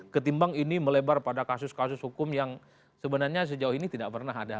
ketimbang ini melebar pada kasus kasus hukum yang sebenarnya sejauh ini tidak pernah ada